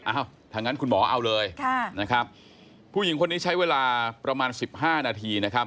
อ้าวทั้งนั้นคุณหมอเอาเลยผู้หญิงคนนี้ใช้เวลาประมาณ๑๕นาที